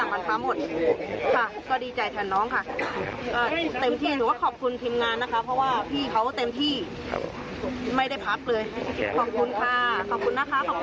ขอบคุณค่ะขอบคุณนะคะขอบคุณทีมงาน